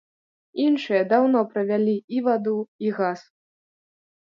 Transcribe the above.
Іншыя даўно правялі і ваду, і газ.